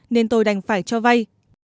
nên tôi đành phải cho vay